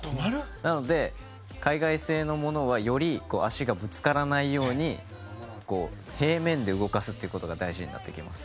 なので、海外製のものはより足がぶつからないように平面で動かすということが大事になってきます。